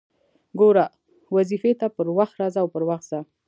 ګوره! واظيفې ته پر وخت راځه او پر وخت ځه!